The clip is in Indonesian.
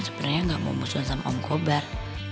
sebenernya nggak mau musuhin sama om kobar